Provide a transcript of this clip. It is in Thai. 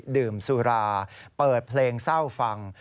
ดื่มสุราเปิดเพลงเศร้าฟัง